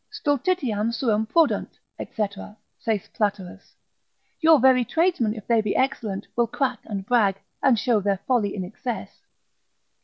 Stultitiam suam produnt, &c., (saith Platerus) your very tradesmen if they be excellent, will crack and brag, and show their folly in excess.